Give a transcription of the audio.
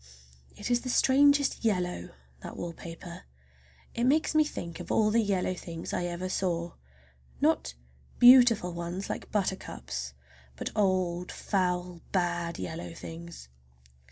It is the strangest yellow, that wallpaper! It makes me think of all the yellow things I ever saw—not beautiful ones like buttercups, but old foul, bad yellow things.